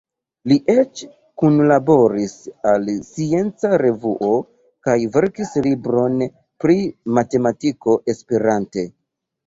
Li eĉ kunlaboris al Scienca Revuo kaj verkis libron pri matematiko esperante.